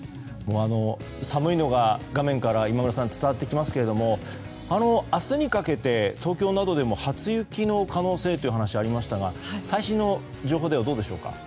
寒いのが画面から今村さん、伝わってきますが明日にかけて東京などでも初雪の可能性という話がありましたが最新の情報ではどうでしょうか。